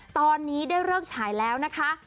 ตอนนี้ได้เลิกฉายแล้วนะคะ